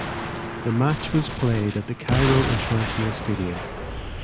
The match was played at the Cairo International Stadium.